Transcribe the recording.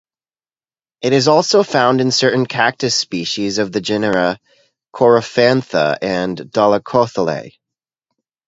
It is also found in certain cactus species of the genera "Coryphantha" and "Dolichothele".